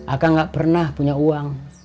aka nggak pernah punya uang